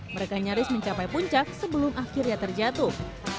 mereka nyaris mencapai puncak sebelum akhirnya terjatuh